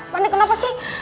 panik kenapa sih